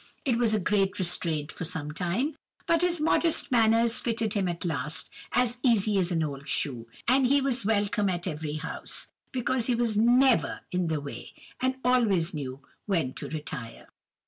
It was a great restraint for some time, but his modest manners fitted him at last as easy as an old shoe, and he was welcome at every house, because he was never in the way, and always knew when to retire!